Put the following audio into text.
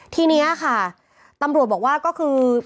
ทีนี้ค่ะตำรวจบอกว่าก็คือ